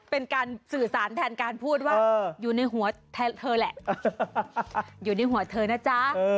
เป็นการสื่อสารแทนการพูดว่าอยู่ในหัวแทนเธอแหละอยู่ในหัวเธอนะจ๊ะ